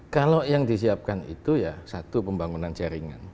kalau yang disiapkan itu ya satu pembangunan jaringan